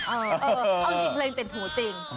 เอาอีกเพลงเต็ดหูจริง